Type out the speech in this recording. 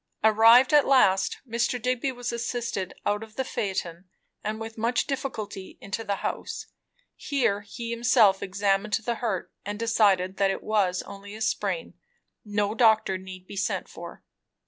Arrived at last, Mr. Digby was assisted out of the phaeton, and with much difficulty into the house. Here he himself examined the hurt, and decided that it was only a sprain; no doctor need be sent for.